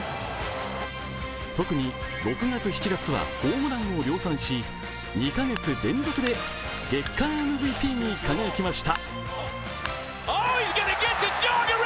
特に６月、７月はホームランを量産し、２カ月連続で月間ＭＶＰに輝きました。